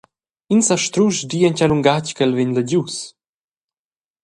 Ins sa strusch dir en tgei lungatg ch’el vegn legius.